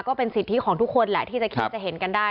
ก็เป็นสิทธิของทุกคนแหละที่จะคิดจะเห็นกันได้